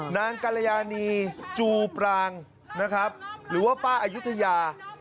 กรยานีจูปรางนะครับหรือว่าป้าอายุทยา